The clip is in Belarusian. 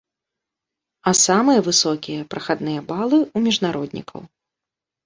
А самыя высокія прахадныя балы ў міжнароднікаў.